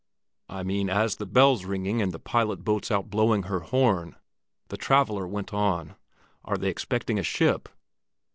"I mean, as the bell's ringing and the pilot boat's out blowing her horn," the traveller went on. "Are they expecting a ship?"